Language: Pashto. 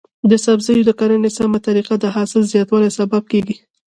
د سبزیو د کرنې سمه طریقه د حاصل زیاتوالي سبب کیږي.